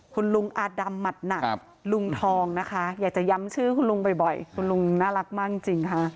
คุณลุงอาดำหมัดหนักลุงทองนะคะอยากจะย้ำชื่อคุณลุงบ่อยคุณลุงน่ารักมากจริงค่ะ